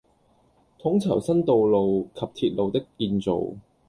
統籌新道路及鐵路的建造